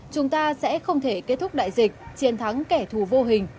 chúng ta sẽ không thể kết thúc đại dịch chiến thắng kẻ thù vô hình